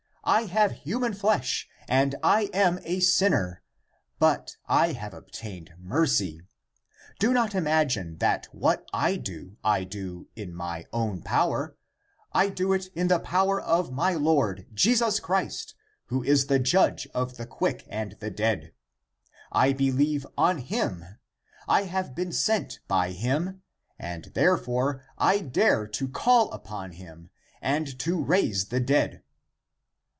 I have human flesh and I am a sinner, but I have obtained mercy. Do not imagine that what I do, I do in my own power; I do it in the power of my Lord Jesus Christ, who is the judge of the quick and the dead. I believe on him, I have been sent by him, and (therefore) I dare to call upon him (and) to raise the dead.